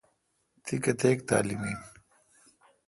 تی کتیک تعلیم این؟